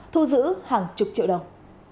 thu giữ hàng chục triệu đồng